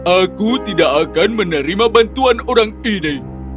aku tidak akan menerima bantuan orang ini